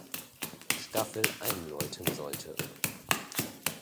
Staffel einläuten sollte.